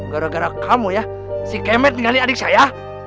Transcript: gara gara kamu ya si kemet tinggalin adik saya